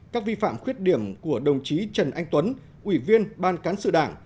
một mươi một các vi phạm khuyết điểm của đồng chí trần anh tuấn ủy viên ban cán sự đảng